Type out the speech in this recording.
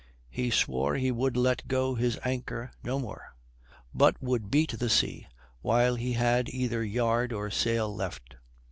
He swore he would let go his anchor no more, but would beat the sea while he had either yard or sail left.